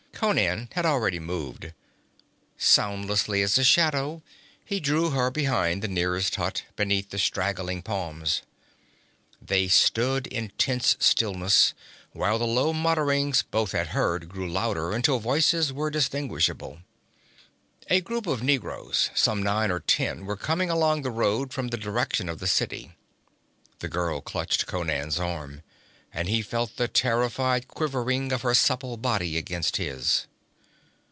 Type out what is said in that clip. _' Conan had already moved. Soundlessly as a shadow he drew her behind the nearest hut, beneath the straggling palms. They stood in tense stillness, while the low mutterings both had heard grew louder until voices were distinguishable. A group of negroes, some nine or ten, were coming along the road from the direction of the city. The girl clutched Conan's arm and he felt the terrified quivering of her supple body against his.